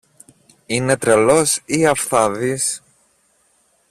Είναι τρελός ή αυθάδης;